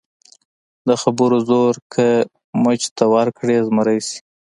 د خبرو زور که مچ ته ورکړې، زمری شي.